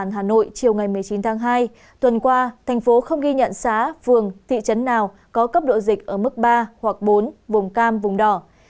hôm qua thành phố không ghi nhận xá vườn thị trấn nào có cấp độ dịch ở mức ba hoặc bốn vùng cam vùng đỏ